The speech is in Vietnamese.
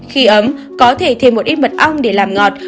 khi ấm có thể thêm một ít mật ong để làm ngọt